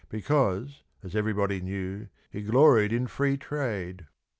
Because, as everybody knew, he gloried in Free Trade.